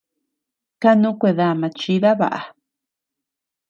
Kanu kuedama chida baʼa.